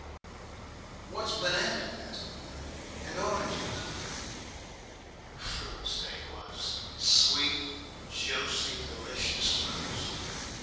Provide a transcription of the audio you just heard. "What's benanas?" asked the boy, "and oranges?" "Fruits they was. Sweet, juicy, d'licious fruits.